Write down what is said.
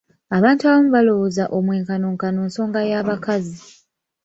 Abantu abamu balowooza omwenkanonkano nsonga ya bakazi.